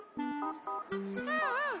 うんうん。